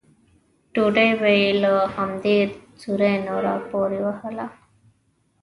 ډوډۍ به یې له همدې سوري نه راپورې وهله.